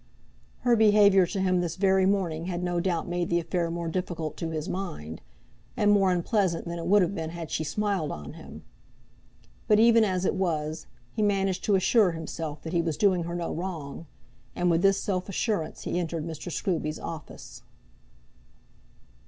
Her behaviour to him this very morning had no doubt made the affair more difficult to his mind, and more unpleasant than it would have been had she smiled on him; but even as it was, he managed to assure himself that he was doing her no wrong, and with this self assurance he entered Mr. Scruby's office.